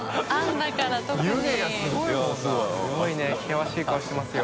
すごいね険しい顔してますよ。